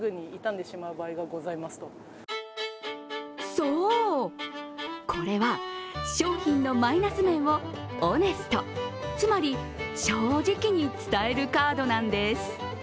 そう、これは商品のマイナス面をオネスト、つまり正直に伝えるカードなんです。